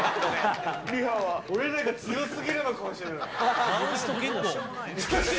俺らが強すぎるのかもしれない。